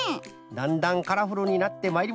だんだんカラフルになってまいりました。